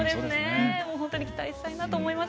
本当に期待したいなと思います。